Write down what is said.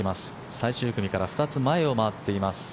最終組から２つ前を回っています